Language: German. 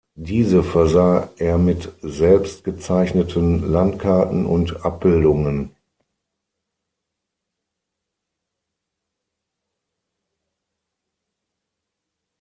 Diese versah er mit selbst gezeichneten Landkarten und Abbildungen.